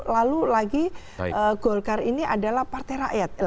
lalu lagi golkar ini adalah partai rakyat